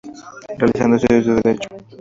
Realizando estudios de Derecho.